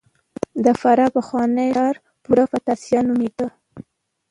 د فراه پخوانی ښار پروفتاسیا نومېده